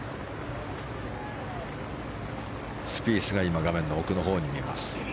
スピースが今画面の奥のほうに見えます。